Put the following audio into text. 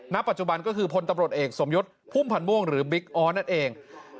ณปัจจุบันก็คือพลตำรวจเอกสมยศพุ่มพันธ์ม่วงหรือบิ๊กออสนั่นเอง